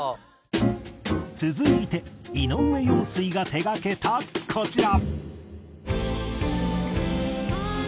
続いて井上陽水が手がけたこちら。